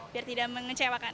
biar tidak mengecewakan